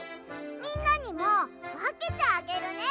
みんなにもわけてあげるね。